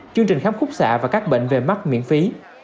chương trình khắp khúc xạ và các bệnh về mắc miễn phí